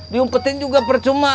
diumpetin juga percuma